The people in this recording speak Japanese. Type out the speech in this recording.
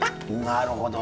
なるほど。